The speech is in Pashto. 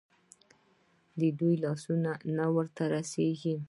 د دوى لاس نه ورته رسېږي.